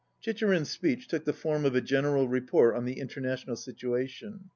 Chicherin's speech took the form of a general report on the international situation.